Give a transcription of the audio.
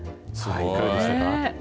いかがでしたか。